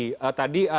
tadi yang disorotin